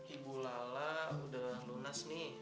ibu lala udah lunas nih dua ratus lima puluh